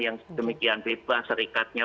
yang demikian bebas serikatnya